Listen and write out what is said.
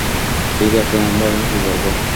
ঠিক আছে, আমরা এখন কী করব?